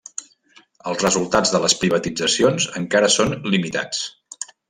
Els resultats de les privatitzacions encara són limitats.